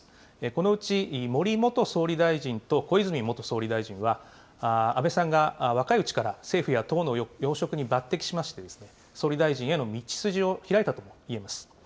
このうち森元総理大臣と小泉元総理大臣は、安倍さんが若いうちから政府や党の要職に抜てきしまして、総理大臣への道筋を開いたともいえます。